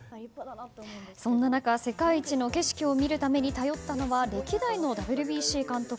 そんな中、世界一の景色を見るために頼ったのは歴代のＷＢＣ監督。